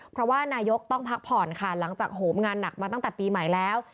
เพราะว่านายกต้องพักผ่อนค่ะหลังจากโหมงานหนักมาตั้งแต่ปีใหม่แล้ว